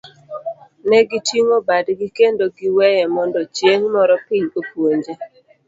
Negi ting'o badgi kendo giweye mondo chieng' moro piny opuonje.